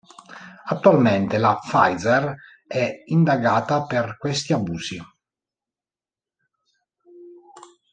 Attualmente la Pfizer è indagata per questi abusi.